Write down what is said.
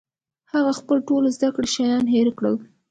هغه خپل ټول زده کړي شیان هېر کړل